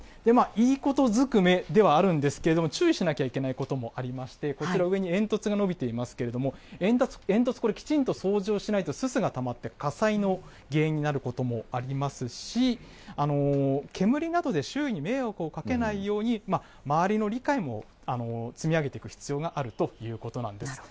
いいこと尽くめではあるんですけれども、注意しなきゃいけないこともありまして、こちら、上に煙突が伸びていますけれども、煙突、これきちんと掃除をしないとすすがたまって火災の原因になることもありますし、煙などで周囲に迷惑をかけないように、周りの理解も積み上げていく必要があるということなんです。